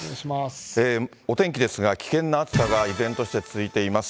お天気ですが、危険な暑さが依然として続いています。